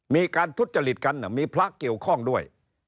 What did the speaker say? มีการทุจริตกันมีพระเกี่ยวข้องด้วย